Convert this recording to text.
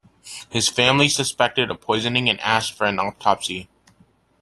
His family suspected a poisoning and asked for an autopsy.